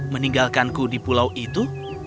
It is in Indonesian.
meninggalkanku di pulau itu